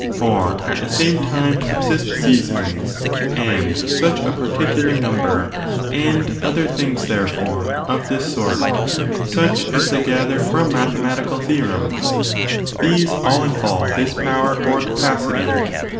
For at the same time subsist seasons, and such a particular number, and other things, therefore, of this sort — such as they gather from mathematical theorems — these all involve this power or capacity.